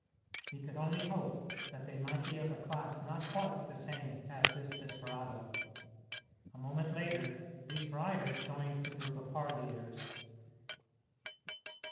He could only hope that they might be of a class not quite the same as this desperado. A moment later these riders joined the group of parleyers.